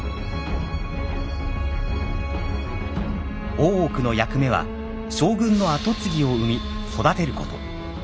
大奥の役目は将軍の跡継ぎを産み育てること。